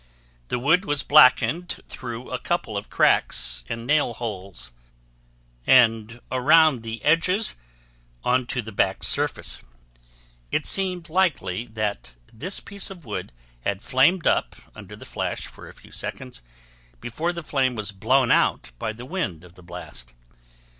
The wood was blackened through a couple of cracks and nail holes, and around the edges onto the back surface. It seemed likely that this piece of wood had flamed up under the flash for a few seconds before the flame was blown out by the wind of the blast.